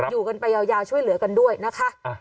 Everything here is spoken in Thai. อยู่กันไปยาวช่วยเหลือกันด้วยนะคะ